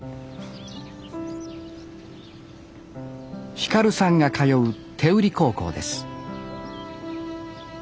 輝さんが通う天売高校です